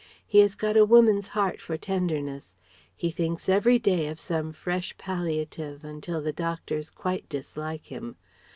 He has got a woman's heart for tenderness. He thinks every day of some fresh palliative until the doctors quite dislike him.